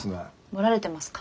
ぼられてますか。